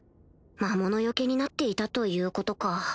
魔物よけになっていたということか